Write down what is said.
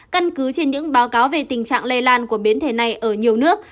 căn cứ trên những báo cáo về tình trạng lây lan của biến thể này ở nhiều nước